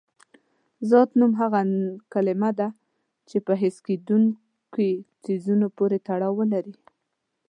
ذات نوم هغه کلمه ده چې په حس کېدونکي څیزونو پورې تړاو ولري.